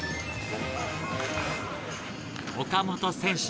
岡本選手